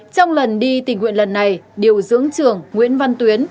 trong lần đi tình nguyện lần này điều dưỡng trưởng nguyễn văn tuyến